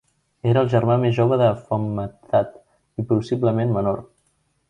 Era el germà més jove de Phommathat, i possiblement menor.